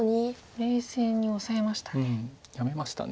冷静にオサえましたね。